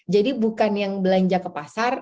jadi bukan yang belanja ke pasar